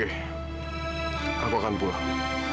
kak taufan aku akan pulang